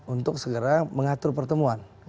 untuk segera mengatur pertemuan